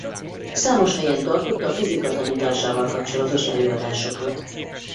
Számos helyen tartott a fizika tanításával kapcsolatos előadásokat.